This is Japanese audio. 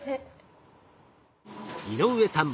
井上さん